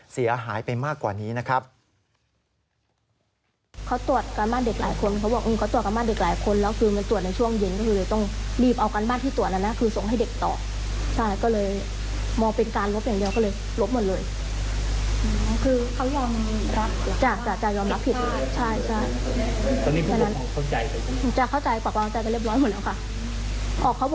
เสียหายไปมากกว่านี้นะครับ